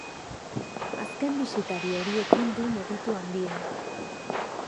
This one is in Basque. Azken bisitari horiekin du meritu handiena.